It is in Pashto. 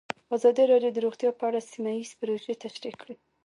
ازادي راډیو د روغتیا په اړه سیمه ییزې پروژې تشریح کړې.